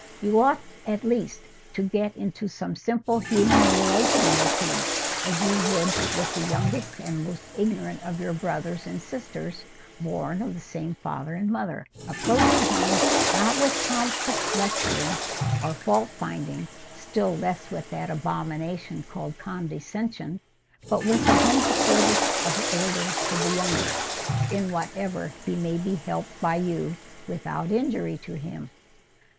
You ought at least to get into some simple human relation with him, as you would with the youngest and most ignorant of your brothers and sisters born of the same father and mother; approaching him, not with pompous lecturing or fault finding, still less with that abomination called condescension, but with the humble service of the elder to the younger, in whatever he may be helped by you without injury to him.